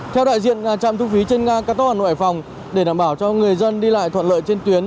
theo đại diện trạm thu phí trên cao tốc hà nội hải phòng để đảm bảo cho người dân đi lại thuận lợi trên tuyến